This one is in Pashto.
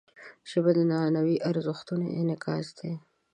ژبه د معنوي ارزښتونو انعکاس دی